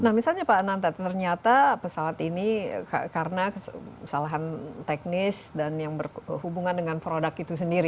nah misalnya pak ananta ternyata pesawat ini karena kesalahan teknis dan yang berhubungan dengan produk itu sendiri